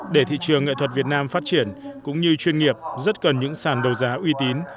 để thị trường nghệ thuật việt nam phát triển cũng như chuyên nghiệp rất cần những sản đấu giá uy tín